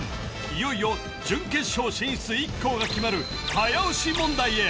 いよいよ準決勝進出１校が決まる早押し問題へ！